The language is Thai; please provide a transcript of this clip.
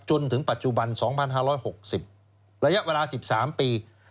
จนถึงปัจจุบัน๒๕๖๐ระยะเวลา๑๓ปี